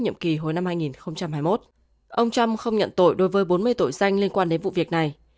vụ xét xử vào năm hai nghìn hai mươi một ông trump không nhận tội đối với bốn mươi tội danh liên quan đến vụ việc này